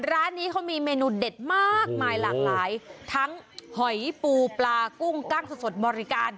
ร้านนี้เขามีเมนูเด็ดมากมายหลากหลายทั้งหอยปูปลากุ้งกล้างสดบริการ